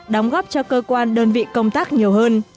đóng góp cho cơ quan đơn vị công tác nhiều hơn